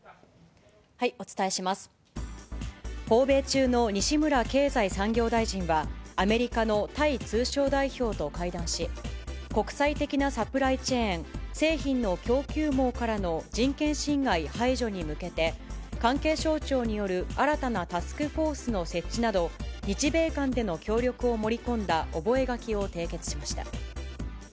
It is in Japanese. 訪米中の西村経済産業大臣は、アメリカのタイ通商代表と会談し、国際的なサプライチェーン・製品の供給網からの人権侵害排除に向けて、関係省庁による新たなタスクフォースの設置など、日米間での協力を盛り込んだ覚書を締結しました。